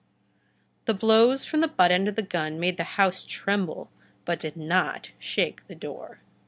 The blows from the butt end of the gun made the house tremble, but did not shake the door.